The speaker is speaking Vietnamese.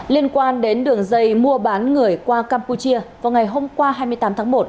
liên quan đến đường dây mua bán người qua campuchia vào ngày hôm qua hai mươi tám tháng một